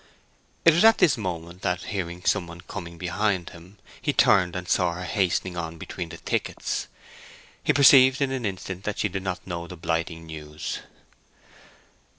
It was at this moment that, hearing some one coming behind him, he turned and saw her hastening on between the thickets. He perceived in an instant that she did not know the blighting news.